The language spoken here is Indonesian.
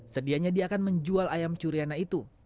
sedianya dia akan menjual ayam curiana itu